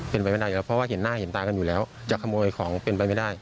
เพราะว่าเห็นหน้าเห็นตากันอยู่แล้วจะขโมยของเป็นไปไม่ได้